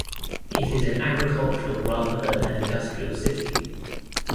It is an agricultural rather than an industrial city.